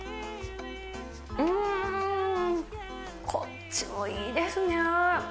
うーん。こっちもいいですね。